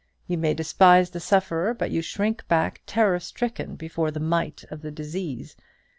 You may despise the sufferer, but you shrink back terror stricken before the might of the disease.